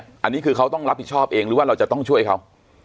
อันนี้คือเขาต้องรับผิดชอบเองหรือว่าเราจะต้องช่วยเขา